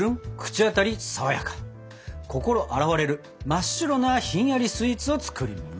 心洗われる真っ白なひんやりスイーツを作ります！